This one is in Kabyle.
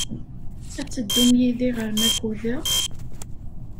Ad teddum yid-i ɣer Makuda?